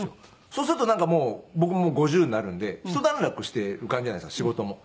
そうするとなんかもう僕も５０になるんで一段落してる感じじゃないですか仕事も。